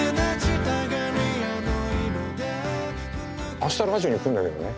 明日ラジオに来るんだけどね。